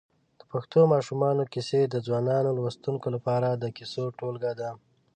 د پښتو ماشومانو کیسې د ځوانو لوستونکو لپاره د کیسو ټولګه ده.